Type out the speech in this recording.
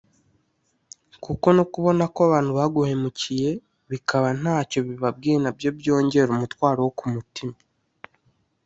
kuko no kubona ko abantu baguhemukiye bikaba ntacyo bibabwiye na byo byongera umutwaro wo ku mutima